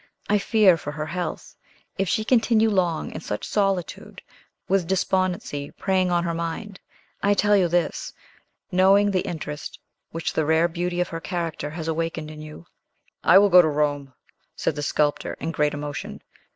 I fear for her health, if she continue long in such solitude, with despondency preying on her mind. I tell you this, knowing the interest which the rare beauty of her character has awakened in you." "I will go to Rome!" said the sculptor, in great emotion.